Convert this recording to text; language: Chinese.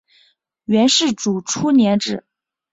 元世祖初年置。